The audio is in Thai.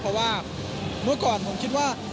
เพราะว่าเมื่อก่อนผมคิดว่า